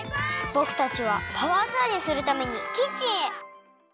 ぼくたちはパワーチャージするためにキッチンへ！